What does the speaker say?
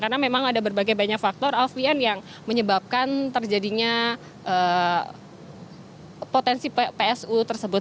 karena memang ada berbagai banyak faktor alvian yang menyebabkan terjadinya potensi psu tersebut